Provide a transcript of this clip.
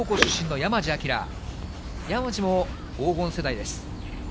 山路も黄金世代です。